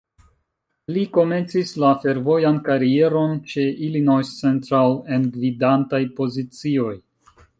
Li komencis la fervojan karieron ĉe "Illinois Central", en gvidantaj pozicioj.